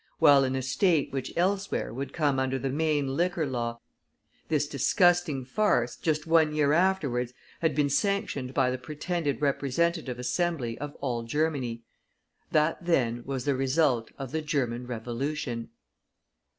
while in a state which elsewhere would come under the Maine Liquor Law this disgusting farce, just one year afterwards, had been sanctioned by the pretended Representative Assembly of all Germany. That, then, was the result of the German Revolution!